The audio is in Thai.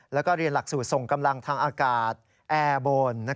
แล้วก็เรียนหลักสูตรส่งกำลังทางอากาศแอร์โบน